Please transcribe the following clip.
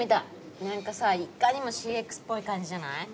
何かさいかにもＣＸっぽい感じじゃない？